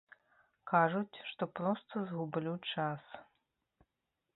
Кажуць, што проста згублю час.